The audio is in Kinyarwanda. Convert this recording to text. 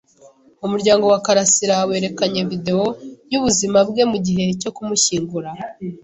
Umuryango wa Karasirawerekanye videwo yubuzima bwe mugihe cyo kumushyingura.